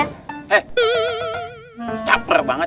eh caper banget